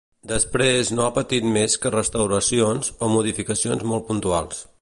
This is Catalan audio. Després no ha patit més que restauracions o modificacions molt puntuals.